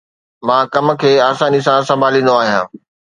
مان ڪم کي آساني سان سنڀاليندو آهيان